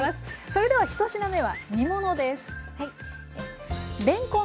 それでは１品目は煮物です。